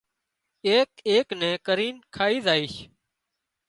ايڪ ايڪ نين ڪرين کائي زائيش